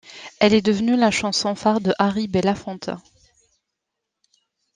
Elle est devenue la chanson-phare de Harry Belafonte.